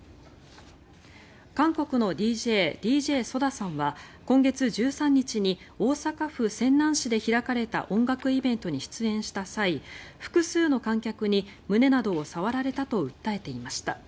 韓国のＤＪＤＪＳＯＤＡさんは今月１３日に大阪府泉南市で開かれた音楽イベントに出演した際複数の観客に胸などを触られたと訴えていました。